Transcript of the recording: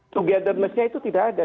togetherness nya itu tidak ada